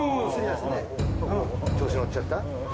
調子のっちゃった？